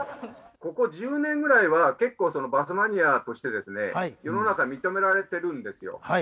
ここ１０年ぐらいは結構そのバスマニアとしてですね世の中認められてるんですよ。